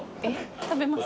食べますか？